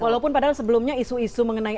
walaupun padahal sebelumnya isu isu mengenai